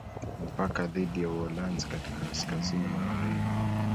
Mpaka dhidi ya Uholanzi katika kaskazini magharibi